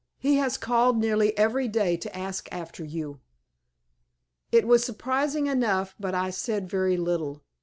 He has called nearly every day to ask after you." It was surprising enough, but I said very little.